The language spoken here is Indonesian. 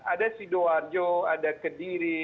ada sidoarjo ada kediri